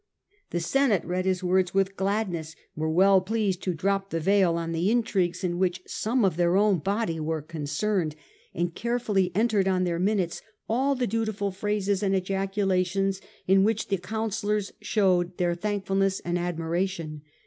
The Senate read his words with gladness, were well pleased to drop the veil on the intrigues in which some of their own body were concerned, and carefully entered on their minutes all the dutiful phrases and ejaculations in which the counsellors showed their thankfulness and admiration.